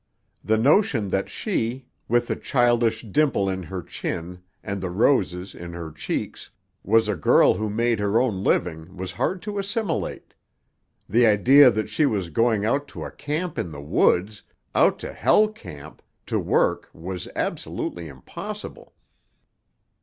The notion that she, with the childish dimple in her chin and the roses in her cheeks, was a girl who made her own living was hard to assimilate; the idea that she was going out to a camp in the woods—out to Hell Camp—to work was absolutely impossible!